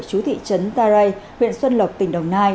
chú thị trấn ta rây huyện xuân lộc tỉnh đồng nai